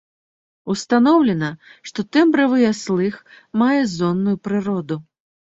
Устаноўлена, што тэмбравыя слых мае зонную прыроду.